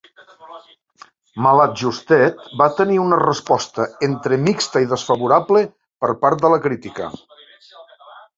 Maladjusted va tenir una resposta entre mixta i desfavorable per part de la crítica.